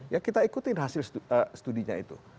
ya kita ikutin hasil studinya itu